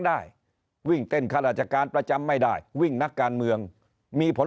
ได้วิ่งเต้นข้าราชการประจำไม่ได้วิ่งนักการเมืองมีผล